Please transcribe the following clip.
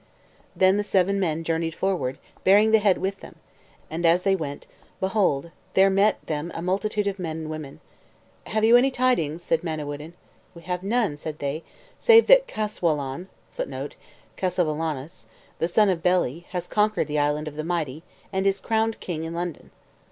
Then the seven men journeyed forward, bearing the head with them; and as they went, behold there met them a multitude of men and women. "Have you any tidings?" said Manawyddan. "We have none," said they, "save that Caswallawn, [Footnote: Cassivellaunus.] the son of Beli, has conquered the Island of the Mighty, and is crowned king in London."